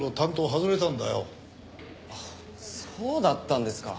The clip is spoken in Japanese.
ああそうだったんですか。